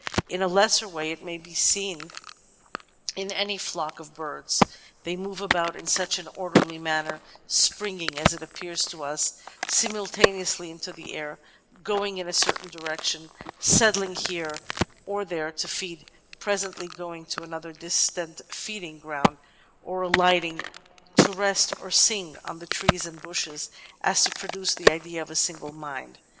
In a lesser way it may be seen in any flock of birds ; they move about in such an orderly manner, springing, as it appears to us, simul taneously into the air, going in a certain direction, settling here or there to feed, presently going to another distant feeding ground or alighting to rest or sing on trees and bushes, as to pro duce the idea of a single mind.